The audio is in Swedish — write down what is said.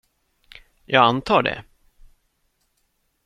Jag antar det.